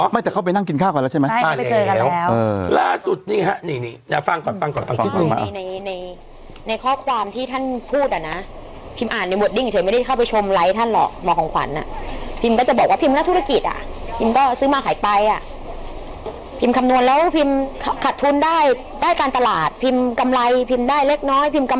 ไม่แต่เข้าไปนั่งกินข้าก่อนแล้วใช่ไหม